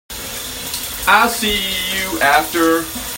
I'll see you after.